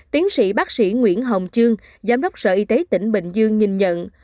tiến sĩ bác sĩ nguyễn hồng trương giám đốc sở y tế tỉnh bình dương nhìn nhận